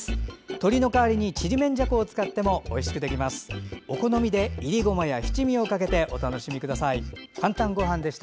鶏の代わりにちりめんじゃこを使ってもおいしくできます。